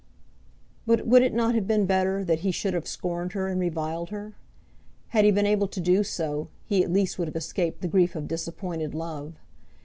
But would it not have been better that he should have scorned her and reviled her? Had he been able to do so, he at least would have escaped the grief of disappointed love.